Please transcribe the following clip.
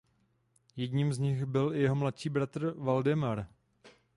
Jedním z nich byl i jeho mladší bratr Valdemar.